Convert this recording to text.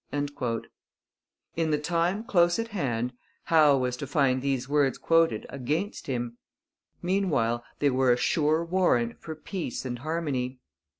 In the time close at hand Howe was to find these words quoted against him. Meanwhile they were a sure warrant for peace and harmony.